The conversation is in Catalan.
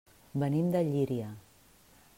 Venim de Llíria.